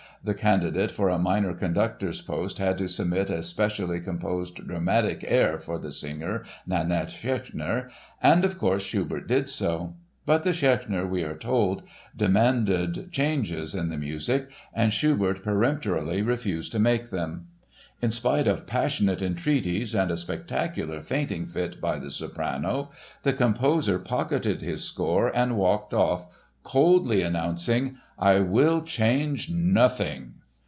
The candidate for a minor conductor's post had to submit a specially composed dramatic air for the singer, Nanette Schechner, and of course Schubert did so. But the Schechner, we are told, demanded changes in the music and Schubert peremptorily refused to make them. In spite of passionate entreaties and a spectacular fainting fit by the soprano, the composer pocketed his score and walked off coldly announcing: "I will change nothing."